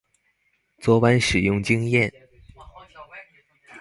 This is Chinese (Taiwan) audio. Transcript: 昨晚使用經驗